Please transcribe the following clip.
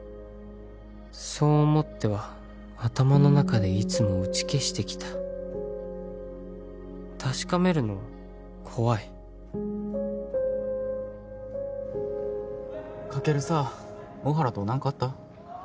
そう思っては頭の中でいつも打ち消してきた確かめるのは怖いカケルさ大原と何かあった？